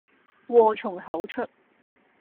禍從口出